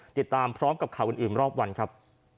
ติดตามพร้อมกับข่าวอื่นรอบวันครับ